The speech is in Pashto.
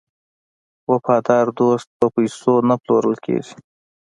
وفادار دوست په پیسو نه پلورل کیږي.